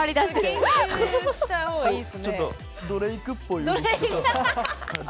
ちょっとドレイクっぽい。